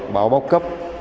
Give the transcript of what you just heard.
báo báo cấp